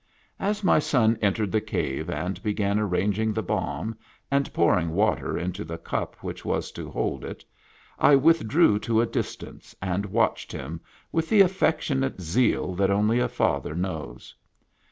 As my son entered the cave and began arranging the bomb, and pouring water into the cup which was to hold it, I withdrew to a distance, and watched him with the affectionate zeal that only a father knows.